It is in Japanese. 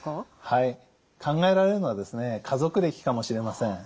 はい考えられるのは家族歴かもしれません。